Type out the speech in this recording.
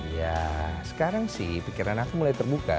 ya sekarang sih pikiran aku mulai terbuka